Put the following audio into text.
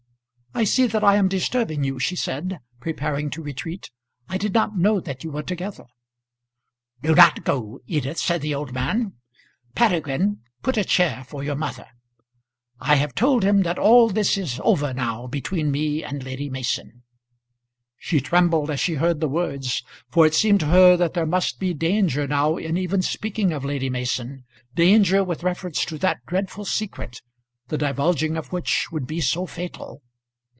"I see that I am disturbing you," she said, preparing to retreat. "I did not know that you were together." "Do not go, Edith," said the old man. "Peregrine, put a chair for your mother. I have told him that all this is over now between me and Lady Mason." She trembled as she heard the words, for it seemed to her that there must be danger now in even speaking of Lady Mason, danger with reference to that dreadful secret, the divulging of which would be so fatal.